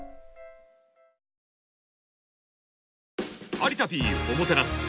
「有田Ｐおもてなす」。